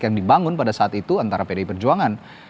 yang dibangun pada saat itu antara pdi perjuangan